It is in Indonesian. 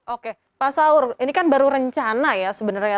oke pak saur ini kan baru rencana ya sebenarnya